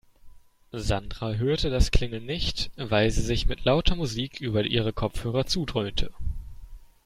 Sandra hörte das Klingeln nicht, weil sie sich mit lauter Musik über ihre Kopfhörer zudröhnte.